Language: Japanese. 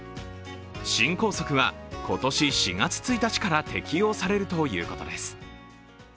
新校則は今年４月１日から適用されるということです。